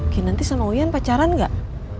kinanti sama uyan pacaran gak